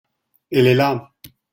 elle est là.